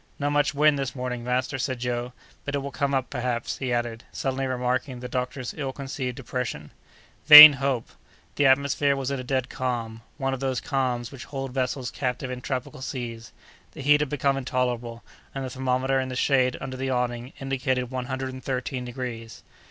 "Not much wind this morning, master," said Joe; "but it will come up, perhaps," he added, suddenly remarking the doctor's ill concealed depression. Vain hope! The atmosphere was in a dead calm—one of those calms which hold vessels captive in tropical seas. The heat had become intolerable; and the thermometer, in the shade under the awning, indicated one hundred and thirteen degrees.